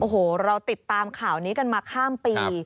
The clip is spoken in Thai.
โอ้โหเราติดตามข่าวนี้กันมาข้ามปี